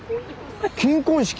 金婚式？